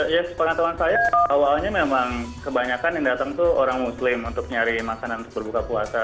ya sepengetahuan saya awalnya memang kebanyakan yang datang tuh orang muslim untuk nyari makanan untuk berbuka puasa